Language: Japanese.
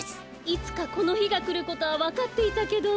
いつかこのひがくることはわかっていたけど。